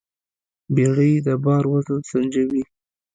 بیړۍ د بار وزن سنجوي.